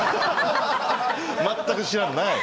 全く知らない？